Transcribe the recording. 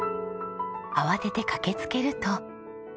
慌てて駆けつけると。